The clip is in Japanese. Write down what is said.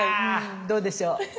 どうでしょう。